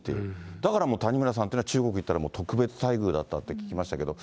だからもう、谷村さんっていうのは中国行ったらもう特別待遇だったって聞きましたけど。